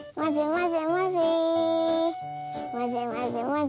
まぜまぜまぜ。